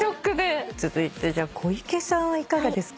続いてじゃあ小池さんはいかがですか？